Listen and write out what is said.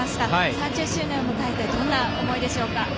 ３０周年を迎えてどんな思いでしょうか。